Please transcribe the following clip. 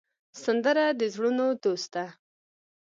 سندره د زړونو دوست ده